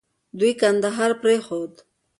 دوی کندهار پرېښود.